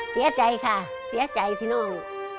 เสียใจค่ะเสียใจสิน้อง